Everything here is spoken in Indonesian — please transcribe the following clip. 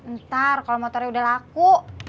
ntar kalau motornya udah laku